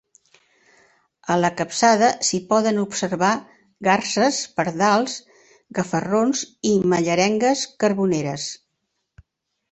A la capçada, s'hi poden observar garses, pardals, gafarrons i mallerengues carboneres.